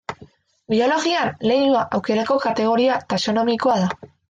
Biologian leinua aukerako kategoria taxonomikoa da.